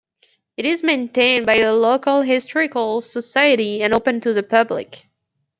It is maintained by the local historical society, and open to the public.